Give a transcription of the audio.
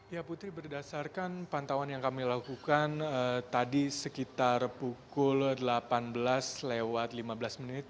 ya putri berdasarkan pantauan yang kami lakukan tadi sekitar pukul delapan belas lewat lima belas menit